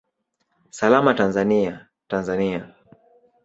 Salama Tanzania, Tanzania!